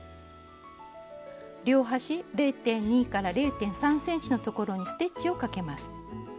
両端０．２０．３ｃｍのところにステッチをかけます。